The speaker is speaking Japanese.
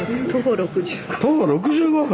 徒歩６５分